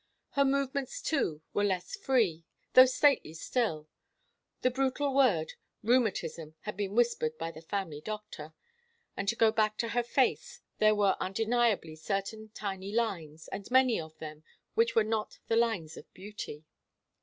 Her movements, too, were less free, though stately still, the brutal word 'rheumatism' had been whispered by the family doctor, and to go back to her face, there were undeniably certain tiny lines, and many of them, which were not the lines of beauty.